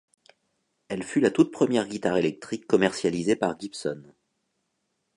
Elle fut la toute première guitare électrique commercialisée par Gibson.